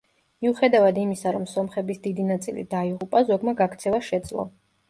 მიუხედავად იმისა, რომ სომხების დიდი ნაწილი დაიღუპა, ზოგმა გაქცევა შეძლო.